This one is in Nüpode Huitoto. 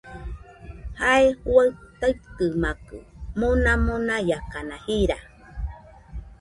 Jae juaɨ taitɨmakɨ, mona monaiakana jira